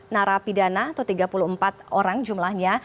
tiga puluh empat narapidana atau tiga puluh empat orang jumlahnya